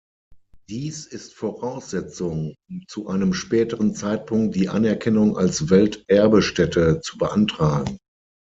Dies ist Voraussetzung, um zu einem späteren Zeitpunkt die Anerkennung als Welterbestätte zu beantragen.